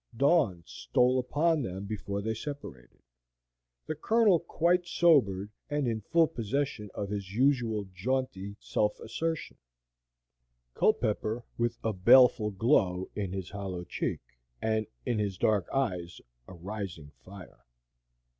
Dawn stole upon them before they separated: the Colonel quite sobered and in full possession of his usual jaunty self assertion; Culpepper with a baleful glow in his hollow cheek, and in his dark eyes a rising fire.